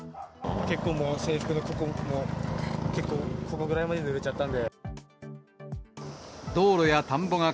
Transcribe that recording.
結構もう、制服のここ、結構このぐらいまでぬれちゃったんで。